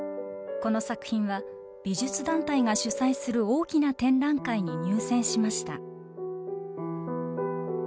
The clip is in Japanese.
この作品は美術団体が主催する大きな展覧会に入選しました。